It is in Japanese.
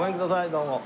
どうも。